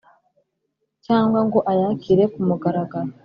cyangwa ngo ayakire kumugaragaro.